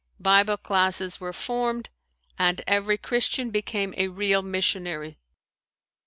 Bible classes were formed and every Christian became a real missionary.